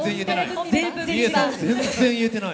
全然言えてない。